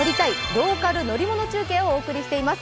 ローカル乗り物」中継をお送りしています。